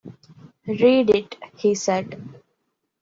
"Read it," he said.